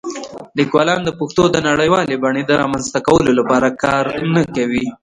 لیکوالان د پښتو د نړیوالې بڼې د رامنځته کولو لپاره کار نه کوي.